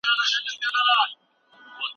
د بل عزت کول په اصل کي خپل عزت دی.